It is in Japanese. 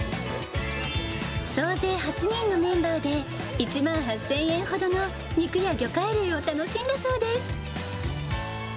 総勢８人のメンバーで、１万８０００円ほどの肉や魚介類を楽しんだそうです。